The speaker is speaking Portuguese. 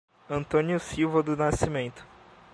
Antônio Silva do Nascimento